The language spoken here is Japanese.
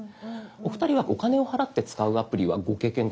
お二人はお金を払って使うアプリはご経験ございますか？